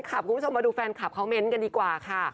คุณผู้ชมมาดูแฟนคลับเขาเม้นต์กันดีกว่าค่ะ